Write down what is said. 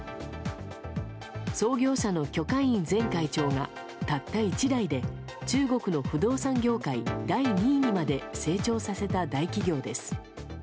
創業者のキョ・カイン前会長がたった１代で中国の不動産業界第２位にまで成長させた大企業です。